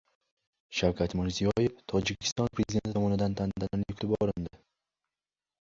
Shavkat Mirziyoev Tojikiston Prezidenti tomonidan tantanali kutib olindi